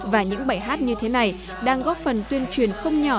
và những bài hát như thế này đang góp phần tuyên truyền không nhỏ